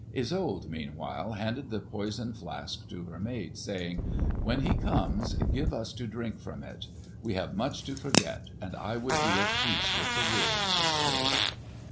Isolde, meanwhile, handed the poison flask to her maid, saying, "When he comes, give us to drink from it. We have much to forget, and I would be at peace with the world this day."